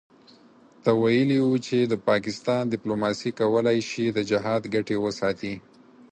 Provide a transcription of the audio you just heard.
ته ویلي وو چې د پاکستان دیپلوماسي کولای شي د جهاد ګټې وساتي.